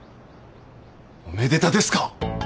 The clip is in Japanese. おめでたですか！？